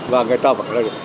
và người ta vẫn